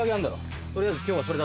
取りあえず今日はそれ出せ。